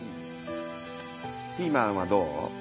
ピーマンはどう？